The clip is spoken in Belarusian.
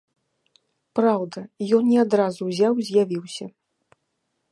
Праўда, ён не адразу ўзяў і з'явіўся.